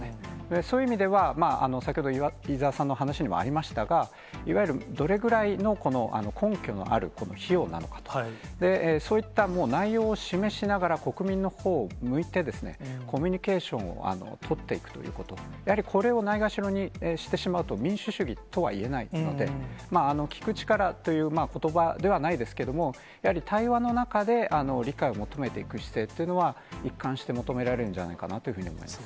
そういう意味では、先ほど、伊沢さんの話にもありましたが、いわゆるどれくらいの根拠のある費用なのかと、そういった、もう内容を示しながら、国民のほうを向いて、コミュニケーションを取っていくということ、やはりこれをないがしろにしてしまうと、民主主義とはいえないので、聞く力ということばではないですけども、やはり対話の中で理解を求めていく姿勢っていうのは、一貫して求められるんじゃないかなと思います。